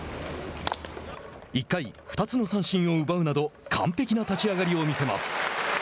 １回、２つの三振を奪うなど完璧な立ち上がりを見せます。